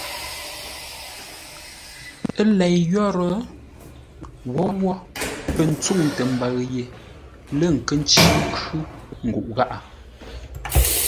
Ə́ lei yórə́, wǒwó pə̂ ntsûŋtə mbəʉ ye lə̂ nkə́ ncí nkhʉ́ nguʼ gháʼá.